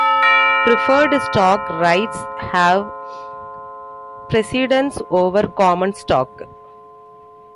Preferred stock rights have precedence over common stock.